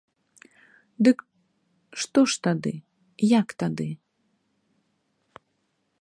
Дык што ж тады, як тады?